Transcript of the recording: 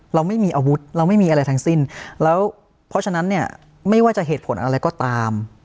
เราไม่มีอาวุธเราไม่มีอะไรทั้งสิ้นแล้วเพราะฉะนั้นเนี่ยไม่ว่าจะเหตุผลอะไรก็ตาม